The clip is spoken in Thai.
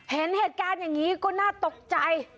เห็นเหตุการณ์อย่างนี้ก็น่าตกใจ